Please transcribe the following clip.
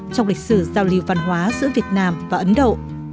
trong lịch sử giao lưu văn hóa giữa việt nam và ấn độ